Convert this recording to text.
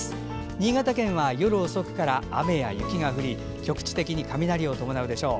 新潟県は夜遅くから雨や雪が降り局地的に雷を伴うでしょう。